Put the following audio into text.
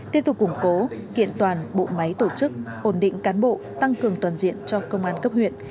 tiếp tục củng cố kiện toàn bộ máy tổ chức ổn định cán bộ tăng cường toàn diện cho công an cấp huyện